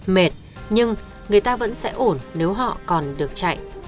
mệt nhưng người ta vẫn sẽ ổn nếu họ còn được chạy